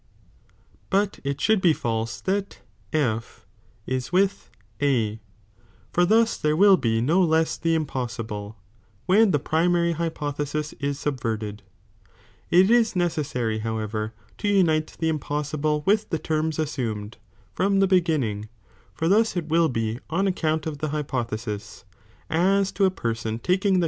but it should be false that F is with A, for thas there will be no less the impossible, when the primary hypo thesis is subverted. It is necessary however to cimnocMiiB ibo unite the impossible with the terms (assumed) SS^he'ttms '"'■*"""'° l*ginning, for thus it will be on account iimmed from of the hypothesis jf as to a person taking the I*?